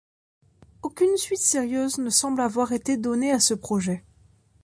Aucune suite sérieuse ne semble avoir été donnée à ce projet.